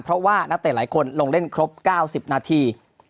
เพราะว่านักเตะหลายคนลงเล่นครบ๙๐นาที